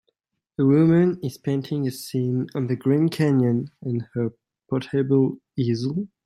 A woman is painting a scene of the Grand Canyon on her portable easel.